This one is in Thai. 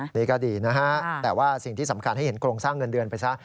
นี่ก็ดีนะฮะแต่ว่าสิ่งที่สำคัญให้เห็นโครงสร้างเงินเดือนไปซะ